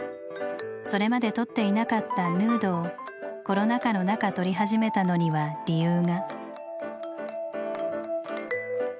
それまで撮っていなかったヌードをコロナ禍の中撮り始めたのには理由が。